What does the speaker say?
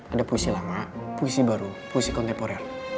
ada puisi lama puisi baru puisi kontemporer